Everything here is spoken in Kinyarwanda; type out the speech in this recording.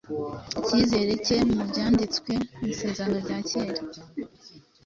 icyizere cye mu Byanditswe mu Isezerano rya Kera